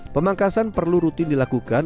pemangkasan perlu rutin dilakukan